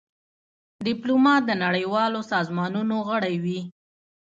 ډيپلومات د نړېوالو سازمانونو غړی وي.